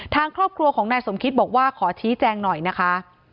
ทางครอบครัวของนายสมคิตบอกว่าขอชี้แจงหน่อยนะคะ